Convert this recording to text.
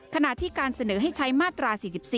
ขณะที่การเสนอให้ใช้มาตรา๔๔